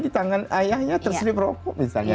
di tangan ayahnya terserih merokok misalnya